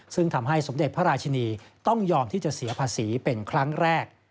ซึ่งทำให้สมเด็จพระราชินีต้องยอมที่จะเสียภาษีเป็นครั้งแรก